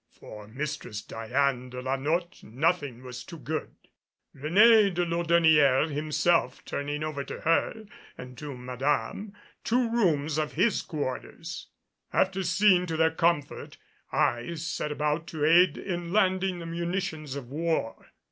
For Mistress Diane de la Notte nothing was too good, Réné de Laudonnière himself turning over to her and to Madame two rooms of his quarters. After seeing to their comfort I set about to aid in landing the munitions of war.